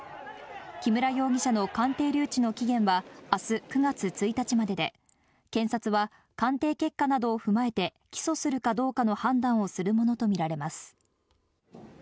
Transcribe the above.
木村容疑者の鑑定留置の期限は、あす９月１日までで、検察は鑑定結果などを踏まえて、起訴するかどうかの判断をするものと見られます。